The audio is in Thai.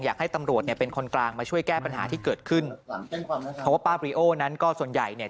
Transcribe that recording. อยากให้ตำรวจเนี่ยเป็นคนกลางมาช่วยแก้ปัญหาที่เกิดขึ้นเพราะว่าป้าบริโอนั้นก็ส่วนใหญ่เนี่ย